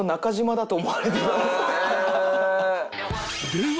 では